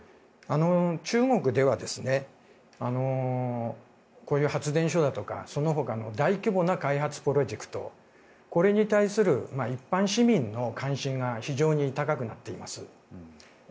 中国では、こういう発電所だとかその他の大規模な開発プロジェクトに対する、一般市民の関心が非常に高くなっています。